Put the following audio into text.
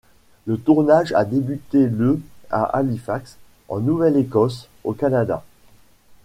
Le tournage a débuté le à Halifax, en Nouvelle-Écosse, au Canada.